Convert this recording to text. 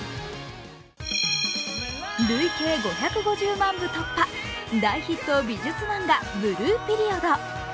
累計５５０万部突破、大ヒット美術漫画「ブルーピリオド」。